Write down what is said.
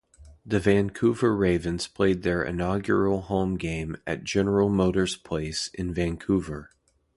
The Vancouver Ravens played their inaugural home game at General Motors Place in Vancouver.